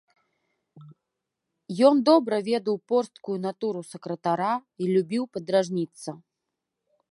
Ён добра ведаў порсткую натуру сакратара й любіў падражніцца.